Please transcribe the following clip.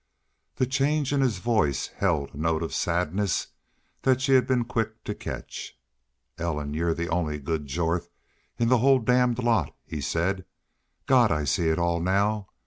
The change in his voice held a note of sadness that she had been quick to catch. "Ellen, y'u're the only good Jorth in the whole damned lot," he said. "God! I see it all now....